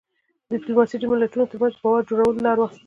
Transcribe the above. ډيپلوماسي د ملتونو ترمنځ د باور جوړولو لار وه.